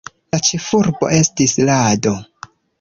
La ĉefurbo estis Lado.